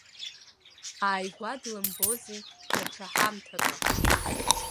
Ааигәа длымбози даҽа ҳамҭакы!